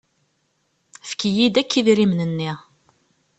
Efk-iyi-d akk idrimen-nni.